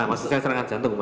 maksudnya serangan jantung